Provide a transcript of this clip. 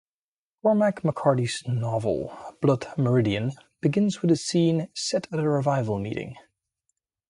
Cormac McCarthy's novel Blood Meridian begins with a scene set at a revival meeting.